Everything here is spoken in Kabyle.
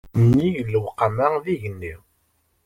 Nnig lewqama d igenni.